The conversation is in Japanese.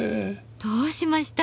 どうしました？